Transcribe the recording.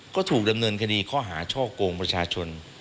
ก็ถูกดำเนินคดีข้อหาช่อกงประชาชน